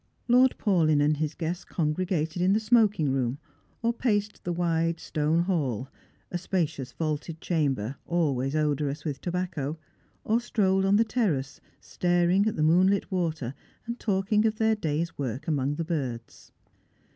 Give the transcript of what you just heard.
Lord Paulyn and his guests congregated in the smoking room, or paced the wide stone hall, a spacious vaulted chamber always odorous with tobacco, or strolled on the terrace, staring at the moonlit water, and talking of their day's work among the birds.